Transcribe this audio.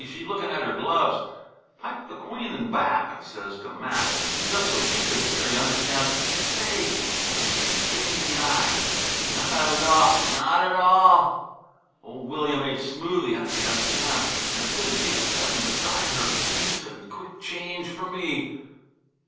she lookin' at her gloves. 'Pipe the queen in black,' I says to Max, jes' so she could hear, y' understand. Say, did she gimme the eye. Not at all! Not at all! Old William H. Smoothy, I guess yes. Pretty soon a gink setting beside her beats it, and quick change for me.